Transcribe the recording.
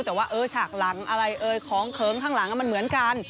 แต่ว่าฉากหลังอะไรเอ่ยของเขิงข้างหลังมันเหมือนกัน